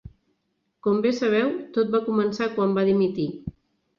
Com bé sabeu, tot va començar quan va dimitir.